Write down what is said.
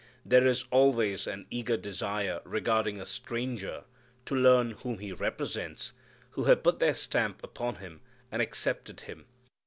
There is always an eager desire regarding a stranger to learn whom he represents, who have put their stamp upon him and accepted him.